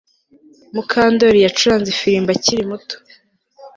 Mukandoli yacuranze ifirimbi akiri muto